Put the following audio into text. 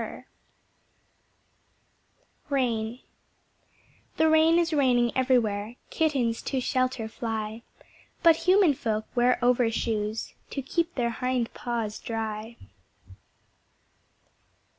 Rain The rain is raining everywhere, Kittens to shelter fly But Human Folk wear overshoes, To keep their hind paws dry.